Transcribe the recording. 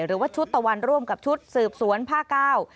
หรือว่าชุดตะวันร่วมกับชุดสืบสวนภาคเก้า